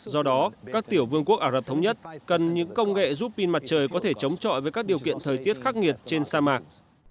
do đó các tiểu vương quốc ả rập thống nhất cần những công nghệ giúp pin mặt trời có thể chống chọi với các điều kiện thời tiết khắc nghiệt trên sa mạc